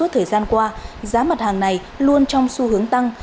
thời gian qua giá mặt hàng này luôn trong xu hướng tăng